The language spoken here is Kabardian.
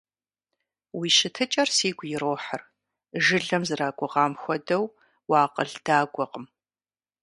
Уи щытыкӀэр сигу ирохьыр, жылэм зэрагугъэм хуэдэу уакъыл дагуэкъым.